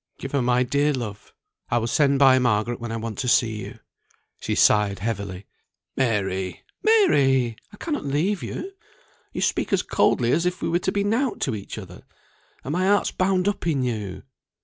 Give her my dear love. I will send by Margaret when I want to see you." She sighed heavily. "Mary! Mary! I cannot leave you. You speak as coldly as if we were to be nought to each other. And my heart's bound up in you.